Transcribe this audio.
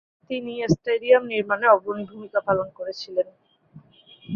তিনি এ স্টেডিয়াম নির্মাণে অগ্রণী ভূমিকা পালন করেছিলেন।